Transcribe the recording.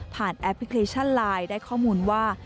แอปพลิเคชันไลน์ได้ข้อมูลว่า